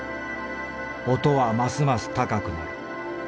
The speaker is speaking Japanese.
音はますます高くなる。